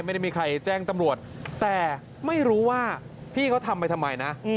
ไม่ได้มีใครแจ้งตำรวจแต่ไม่รู้ว่าพี่เขาทำไปทำไมนะ